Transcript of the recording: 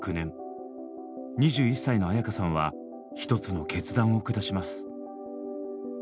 ２１歳の絢香さんは一つの決断を下します。